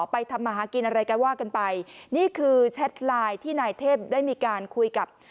ทำมาหากินอะไรกันว่ากันไปนี่คือแชทไลน์ที่นายเทพได้มีการคุยกับ